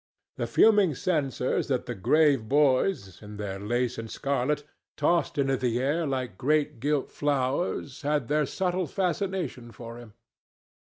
The fuming censers that the grave boys, in their lace and scarlet, tossed into the air like great gilt flowers had their subtle fascination for him.